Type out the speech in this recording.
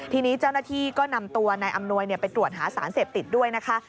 ทีนี้เจ้าหน้าที่ก็นำตัวนายอำนวยไปตรวจหาสารเสพติดด้วยนะคะ